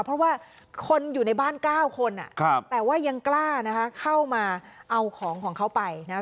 เพราะว่าคนอยู่ในบ้าน๙คนแต่ว่ายังกล้านะคะเข้ามาเอาของของเขาไปนะครับ